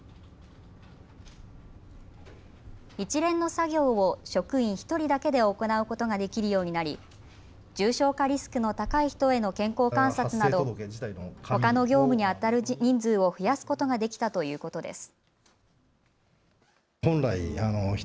一連の作業を職員１人だけで行うことができるようになり重症化リスクの高い人への健康観察などほかの業務にあたる人数を増やすことができたということです。